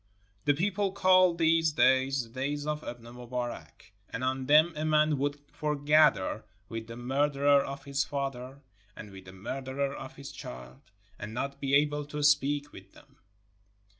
The people called these days "the days of Ibn Mu barak," and on them a man would foregather with the murderer of his father, and with the murderer of his child, and not be able to speak with them.